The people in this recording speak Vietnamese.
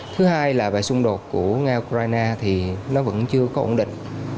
thứ hai là về xung đột của nga ukraine thì nó vẫn chưa có ổn định